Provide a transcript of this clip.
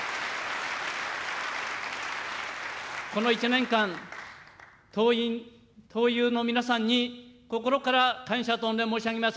この１年間、党員・党友の皆さんに心から感謝と御礼を申し上げます。